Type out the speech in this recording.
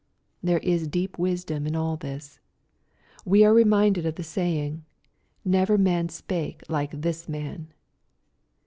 There is deep wisdom in all this. We are re minded of the saying, " Never man spake like this man."